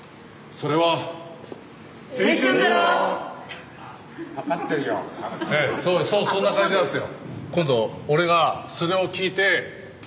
そうそんな感じなんですよ。